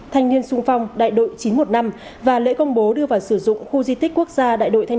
thanh niên sung phong đại đội chín trăm một mươi năm và lễ công bố đưa vào sử dụng khu di tích quốc gia đại đội thanh